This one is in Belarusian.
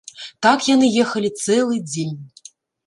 Так яны ехалі цэлы дзень.